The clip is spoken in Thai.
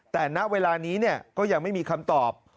แต่ณเวลานี้ก็ยังไม่มีคำตอบ